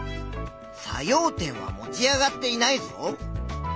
作用点は持ち上がっていないぞ。